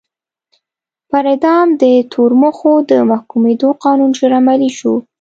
پر اعدام د تورمخو د محکومېدو قانون ژر عملي شو.